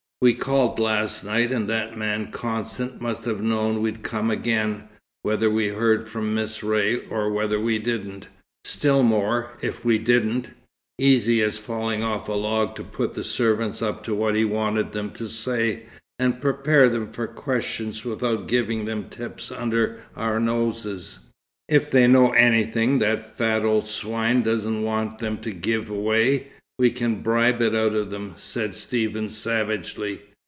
We called last night, and that man Constant must have known we'd come again, whether we heard from Miss Ray or whether we didn't still more, if we didn't. Easy as falling off a log to put the servants up to what he wanted them to say, and prepare them for questions, without giving them tips under our noses." "If they know anything that fat old swine doesn't want them to give away, we can bribe it out of them," said Stephen, savagely.